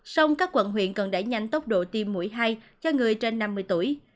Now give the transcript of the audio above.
sông các quận huyện cần đẩy nhanh tốc độ tiêm mũi hai cho người trên năm mươi tuổi